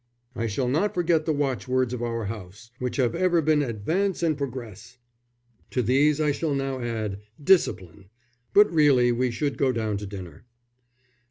"I shall not forget the watchwords of our house, which have ever been Advance and Progress. To these I shall now add: 'Discipline.' But really we should go down to dinner."